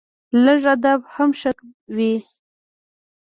لږ ادب هم ښه وي